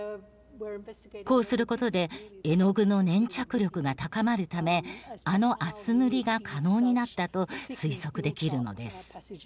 こうすることで絵の具の粘着力が高まるためあの厚塗りが可能になったと推測できるのです。